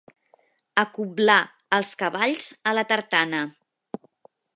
Acoblar els cavalls a la tartana.